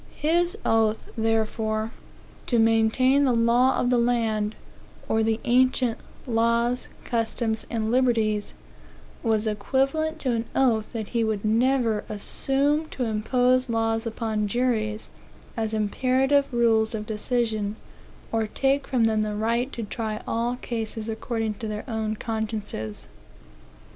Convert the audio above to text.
His oath, therefore, to maintain the law of the land, or the ancient "laws, customs, and liberties," was equivalent to an oath that he would never assume to impose laws upon juries, as imperative rules of decision, or take from them the right to try all cases according to their own consciences.